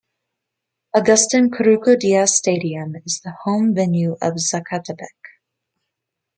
Agustin "Coruco" Diaz stadium is the home venue of Zacatepec.